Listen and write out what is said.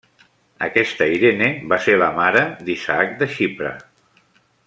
Aquesta Irene va ser la mare d'Isaac de Xipre.